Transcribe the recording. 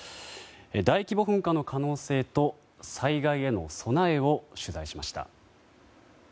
大規模噴火の可能性と災害への備えを取材しました。